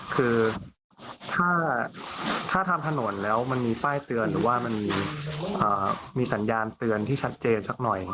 คือถ้าทำถนนแล้วมันมีป้ายเตือนหรือว่ามันมีสัญญาณเตือนที่ชัดเจนสักหน่อย